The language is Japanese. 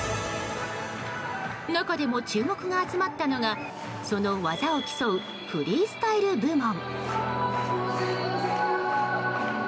中でも注目が集まったのがその技を競うフリースタイル部門。